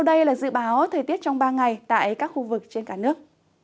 đây là dự báo thời tiết trong ba ngày tại các khu vực trên cả nước